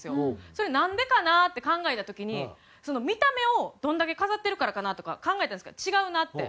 それなんでかな？って考えた時に見た目をどんだけ飾ってるからかなとか考えたんですけど違うなって。